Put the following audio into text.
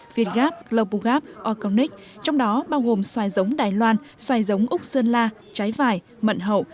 việt gap global gap orgonic trong đó bao gồm xoài giống đài loan xoài giống úc sơn la trái vải mận hậu